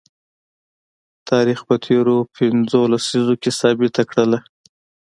تاریخ په تیرو پنځو لسیزو کې ثابته کړله